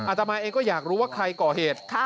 อาตมาเองก็อยากรู้ว่าใครก่อเหตุ